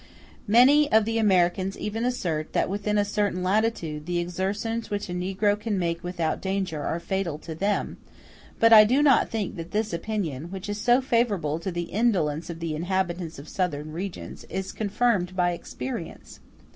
Many of the Americans even assert that within a certain latitude the exertions which a negro can make without danger are fatal to them; *o but I do not think that this opinion, which is so favorable to the indolence of the inhabitants of southern regions, is confirmed by experience.